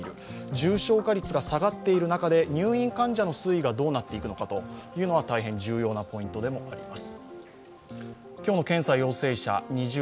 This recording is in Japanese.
重症化率が下がっている中で入院患者の推移がどうなっていくのかは大変重要なポイントでもあります。